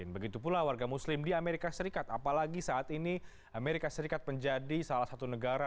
begitu pula warga muslim di amerika serikat apalagi saat ini amerika serikat menjadi salah satu negara